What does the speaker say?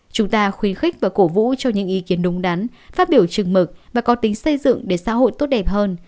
chúng ta khuyến khích và cổ vũ cho những ý kiến đúng đắn phát biểu chừng mực và có tính xây dựng để xã hội tốt đẹp hơn